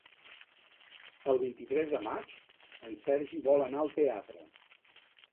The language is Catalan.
El vint-i-tres de maig en Sergi vol anar al teatre.